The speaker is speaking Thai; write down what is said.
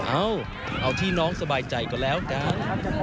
เอาเอาที่น้องสบายใจก็แล้วกัน